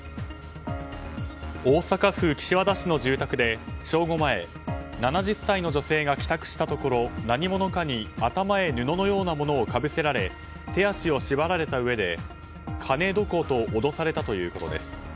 大阪府岸和田市の住宅で正午前７０歳の女性が帰宅したところ何者かに頭へ布のようなものをかぶせられ手足を縛られたうえで金どこ？と脅されたということです。